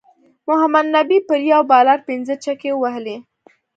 محمد نبی پر یو بالر پنځه چکی ووهلی